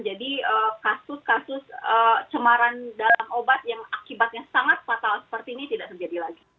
kasus kasus cemaran dalam obat yang akibatnya sangat fatal seperti ini tidak terjadi lagi